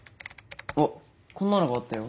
あっこんなのがあったよ。